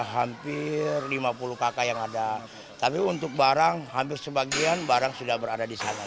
hampir lima puluh kakak yang ada tapi untuk barang hampir sebagian barang sudah berada di sana